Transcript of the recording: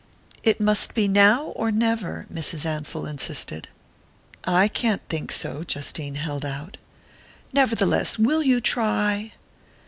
"It must be now or never," Mrs. Ansell insisted. "I can't think so," Justine held out. "Nevertheless will you try?"